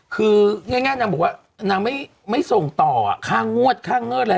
คือง่ายนางบอกว่านางไม่ส่งต่อค่างวดค่าเงินอะไร